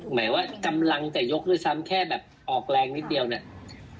หมายว่ากำลังจะยกด้วยซ้ำแค่แบบออกแรงนิดเดียวเนี่ย